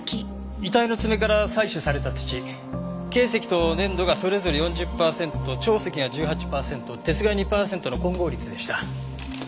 遺体の爪から採取された土珪石と粘土がそれぞれ４０パーセント長石が１８パーセント鉄が２パーセントの混合率でした。